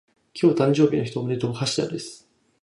今日誕生日の人おめでとう